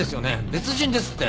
別人ですって。